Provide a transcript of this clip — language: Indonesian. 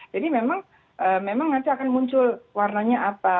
jadi memang memang nanti akan muncul warnanya apa